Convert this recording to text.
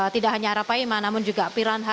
tidak hanya arapaima namun juga piranha